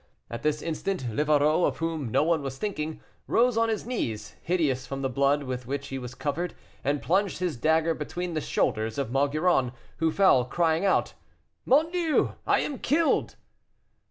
At this instant Livarot, of whom no one was thinking, rose on his knees, hideous from the blood with which he was covered, and plunged his dagger between the shoulders of Maugiron, who fell, crying out, "Mon Dieu! I am killed!"